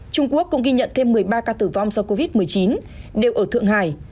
trung quốc cũng ghi nhận thêm một mươi ba ca tử vong do covid một mươi chín đều ở thượng hải